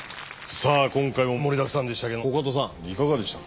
さあ今回も盛りだくさんでしたけどコカドさんいかがでしたか？